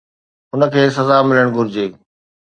هن کي سزا ملڻ گهرجي.